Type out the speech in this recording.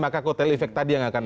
maka kok telifex tadi yang akan